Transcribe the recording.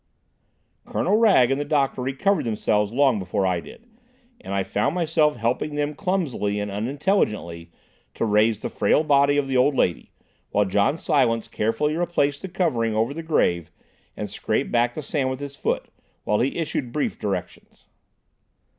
Colonel Wragge and the doctor recovered themselves long before I did, and I found myself helping them clumsily and unintelligently to raise the frail body of the old lady, while John Silence carefully replaced the covering over the grave and scraped back the sand with his foot, while he issued brief directions.